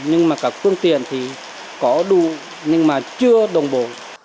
nhưng mà cả phương tiện thì có đủ nhưng mà chưa đồng bộ